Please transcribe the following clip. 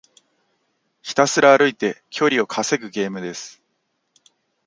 ひたすら歩いて距離を稼ぐゲームです。